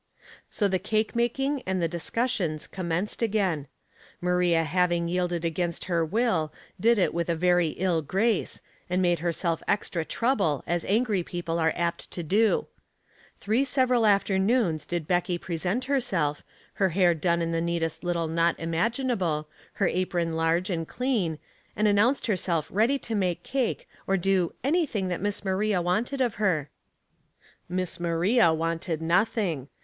So the cake making and the discussions com menced again. Maria having yielded against her will, did it with a very ill grace, and made her self extra trouble, as angry people are apt to do. Three several afternoons did Becky present her self, her hair done in the neatest little knot imaginable, her apron large and clean, and announced herself ready to make cake, or do "anything that Miss Maria wanted of her." Miss Maria wanted nothing.